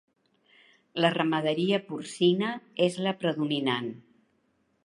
La ramaderia porcina és la predominant.